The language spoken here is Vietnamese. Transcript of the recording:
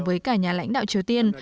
với cả nhà lãnh đạo triều tiên